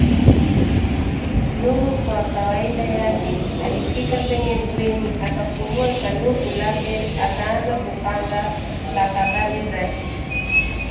Nuru kwa kawaida yake alifika kwenye bweni akafungua sanduku lake akaanza kupanga stakabadhi zake